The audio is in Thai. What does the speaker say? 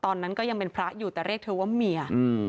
ตอนนั้นก็ยังเป็นพระอยู่แต่เรียกเธอว่าเมีย